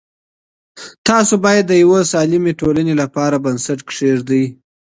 تاسو باید د یوې سالمه ټولنې لپاره بنسټ کېږدئ.